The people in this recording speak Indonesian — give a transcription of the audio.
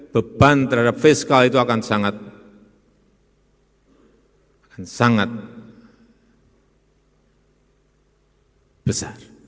beban terhadap fiskal itu akan sangat besar